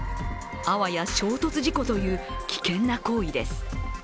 あわや衝突事故という危険な行為です。